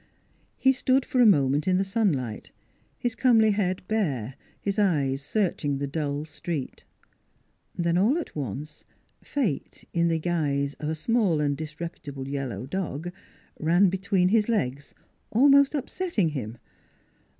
He stood for a moment in the sunlight, his comely head bare, his eyes searching the dull street. Then all at once Fate in the guise of a small and disreputable yellow dog ran between NEIGHBORS 161 his legs, almost upsetting him.